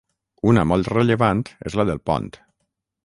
Una molt rellevant és la del pont.